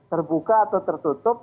terbuka atau tertutup